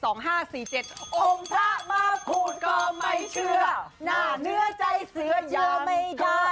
โอ้มถ้ามาพูดก็ไม่เชื่อหนาเนื้อใจเสื้อย้ำเธอ